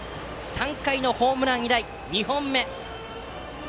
３回のホームラン以来、２本目。